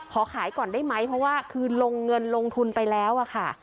ขอขายก่อนได้ไหมเพราะว่าคือลงเงินลงทุนไปแล้วอะค่ะ